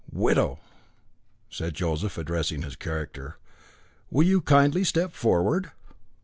"Widow!" said Joseph, addressing his character, "will you kindly step forward?"